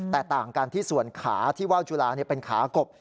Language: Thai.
แต่ต่างกันที่ส่วนขาที่ว่าวจุฬาเป็นขากบ